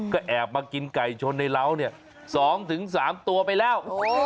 ก็แอบมากินไก่ชนในร้าวเนี่ย๒๓ตัวไปแล้ว